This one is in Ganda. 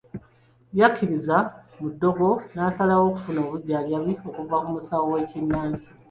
Yakkiririza mu ddogo n'asalawo okufuna obujjanjabi okuva ku musawo w'ekinnansi.